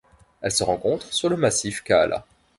Elle se rencontre sur le massif Kaala.